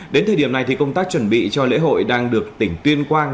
đến thời điểm này thì công tác chuẩn bị cho lễ hội đang được tỉnh tuyên quang